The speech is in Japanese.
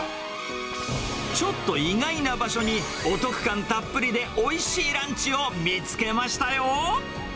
ちょっと意外な場所に、お得感たっぷりでおいしいランチを見つけましたよ。